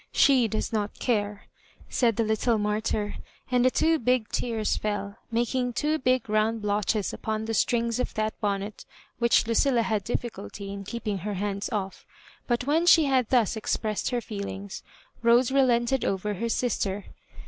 She does not care," said the little martyr, and the two big tears fell making two big round blotches upon the strings of that bonnet which Lucilla had difficulty in keeping her hands oS. But when she had thus expressed her feelings. Rose relented over her sister.